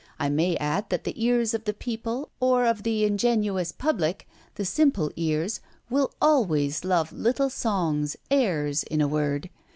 I may add that the ears of the people or of the ingenuous public, the simple ears, will always love little songs, airs, in a word.